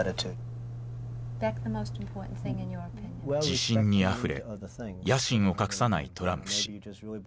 自信にあふれ野心を隠さないトランプ氏。